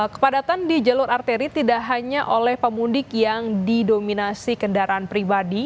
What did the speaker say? kepadatan di jalur arteri tidak hanya oleh pemudik yang didominasi kendaraan pribadi